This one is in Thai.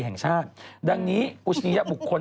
แห่งชาติดังนี้อุชยบุคคล